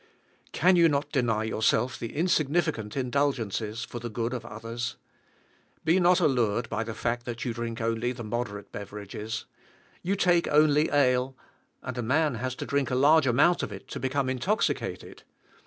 Can you not deny yourself insignificant indulgences for the good of others? Be not allured by the fact that you drink only the moderate beverages. You take only ale; and a man has to drink a large amount of it to become intoxicated.